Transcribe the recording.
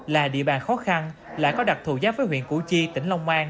là địa bàn khó khăn lại có đặc thù giáp với huyện củ chi tỉnh long an